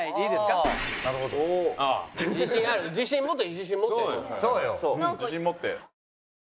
自信持って。